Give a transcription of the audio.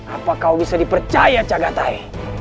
apa kau bisa dipercaya cagathai